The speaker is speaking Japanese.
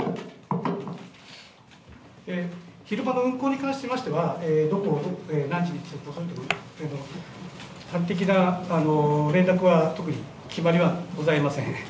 昼間の運行に関しましてはどこを何時に通行するという具体的な連絡は特に決まりはございません。